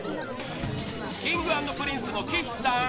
Ｋｉｎｇ＆Ｐｒｉｎｃｅの岸さん